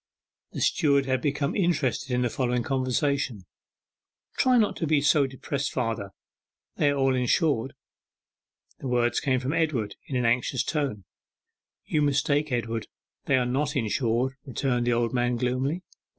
The steward had become interested in the following conversation: 'Try not to be so depressed, father; they are all insured.' The words came from Edward in an anxious tone. 'You mistake, Edward; they are not insured,' returned the old man gloomily.